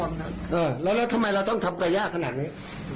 เออแล้วแล้วทำไมเราต้องทำกัยย่าขนาดนี้